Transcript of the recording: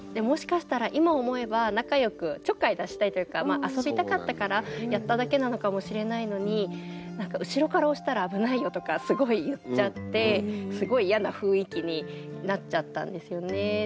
もしかしたら今思えば仲良くちょっかい出したいというか遊びたかったからやっただけなのかもしれないのに「後ろから押したら危ないよ」とかすごい言っちゃってすごい嫌な雰囲気になっちゃったんですよね。